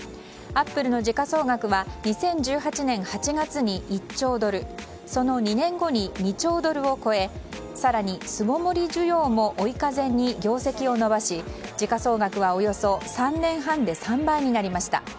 アップルの時価総額は２０１８年８月に１兆ドルその２年後に２兆ドルを超え更に巣ごもり需要も追い風に業績を伸ばし時価総額はおよそ３年半で３倍になりました。